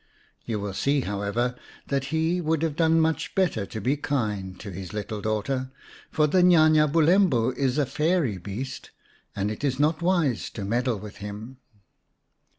You will see, however, that he would have done much better to be kind to his little daughter, for the Nya nya Bulembu is a fairy beast, and it is not wise to meddle with him.